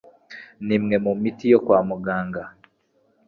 nimwe mu miti yo kwa muganga,